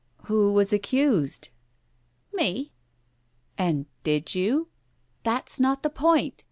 " Who was accused ?" "Me." "And did you " "That's not the point.